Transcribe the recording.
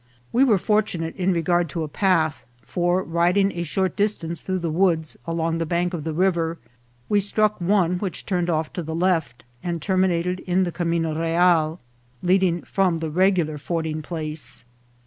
We were fortunate in regard to a path, for, riding a short distance through the woods along the bank of the river, we struck one which turned off to the left, and terminated in the camino real leading from the regular fording place.